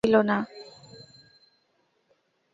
আমাকে যেন লক্ষ্য করিল না।